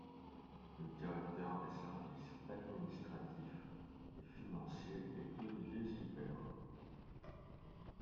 Le directeur des services administratifs et financiers est Olivier Gilbert.